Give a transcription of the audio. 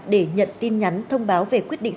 để nhận tin nhắn thông báo về quyết định